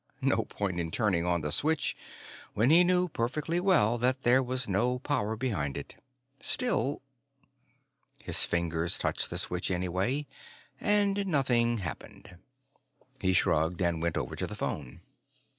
No point in turning on the switch when he knew perfectly well that there was no power behind it. Still His fingers touched the switch anyway. And nothing happened. He shrugged and went over to the phone.